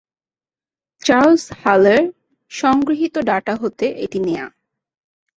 Charles হালের সংগৃহীত data হতে এটি নেয়া।